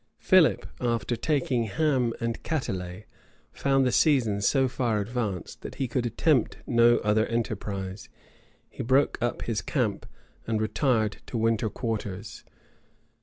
Philip, after taking Ham and Catelet, found the season so far advanced, that he could attempt no other enterprise: he broke up his camp, and retired to winter quarters.